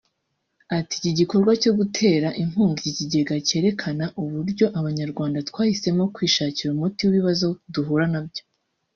ati “Igikorwa cyo gutera inkunga iki Kigega cyerekana uburyo Abanyarwanda twahisemo kwishakira umuti w’ibibazo duhura na byo